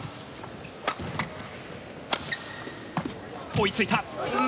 追いついた！